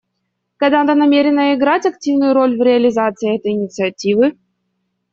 Канада намерена играть активную роль в реализации этой инициативы.